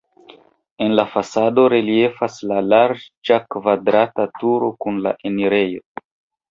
En la fasado reliefas la larĝa kvadrata turo kun la enirejo.